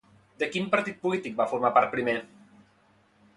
De quin partit polític va formar part primer?